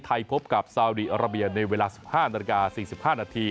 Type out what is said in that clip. พบกับซาวดีอาราเบียในเวลา๑๕นาฬิกา๔๕นาที